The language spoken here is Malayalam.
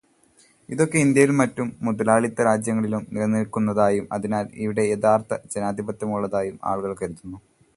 ഇതൊക്കെ ഇന്ത്യയിലും മറ്റു മുതലാളിത്തരാജ്യങ്ങളിലും നിലനിൽക്കുന്നതായും അതിനാൽ ഇവിടെ യഥാർത്ഥ ജനാധിപത്യമുള്ളതായും ആളുകൾ കരുതുന്നു.